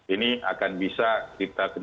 ini akan bisa kita